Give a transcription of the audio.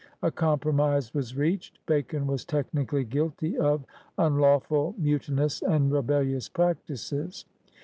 A compro mise was reached. Bacon was technically guilty of "" unlawful, mutinous and rebellious practises."